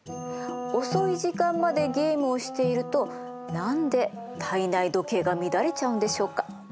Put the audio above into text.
遅い時間までゲームをしていると何で体内時計が乱れちゃうんでしょうか？